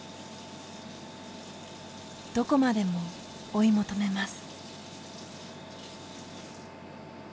どこまでも追い求めます。